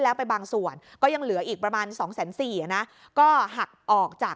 แล้วไปบางส่วนก็ยังเหลืออีกประมาณสองแสนสี่อ่ะนะก็หักออกจาก